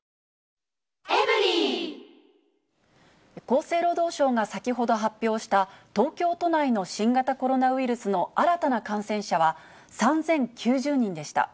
厚生労働省が先ほど発表した、東京都内の新型コロナウイルスの新たな感染者は、３０９０人でした。